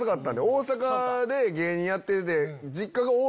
大阪で芸人やってて。